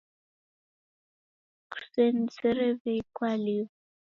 Kusenizere wei kwaliwa